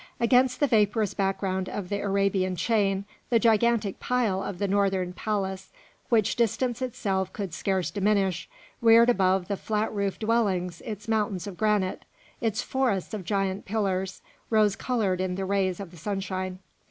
Against the vaporous background of the Arabian chain, the gigantic pile of the Northern Palace, which distance itself could scarce diminish, reared above the flat roofed dwellings its mountains of granite, its forest of giant pillars, rose coloured in the rays of the sunshine.